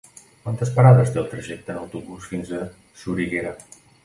Quantes parades té el trajecte en autobús fins a Soriguera?